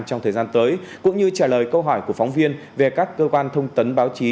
trong thời gian tới cũng như trả lời câu hỏi của phóng viên về các cơ quan thông tấn báo chí